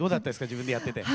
自分でやってて。